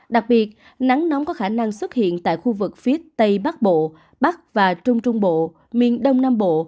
đặc biệt nắng nóng có khả năng xuất hiện tại khu vực phía tây bắc bộ bắc và trung trung bộ miền đông nam bộ